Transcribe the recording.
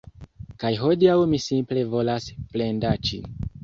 Kaj hodiaŭ mi simple volas plendaĉi